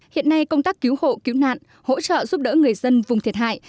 hiện nay công tác cứu hộ cứu nạn hỗ trợ giúp đỡ người dân vùng thiệt hại